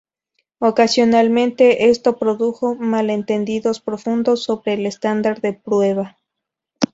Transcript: Ocasionalmente esto produjo malentendidos profundos sobre el estándar de prueba.